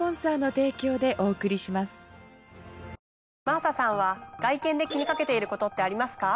真麻さんは外見で気にかけていることってありますか？